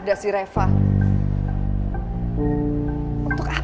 dan itu dia yang minta ketemu aku